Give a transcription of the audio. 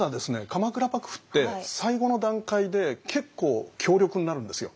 鎌倉幕府って最後の段階で結構強力になるんですよ。